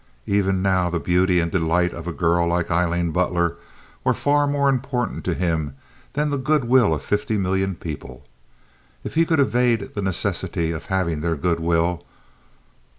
Even now, the beauty and delight of a girl like Aileen Butler were far more important to him than the good will of fifty million people, if he could evade the necessity of having their good will.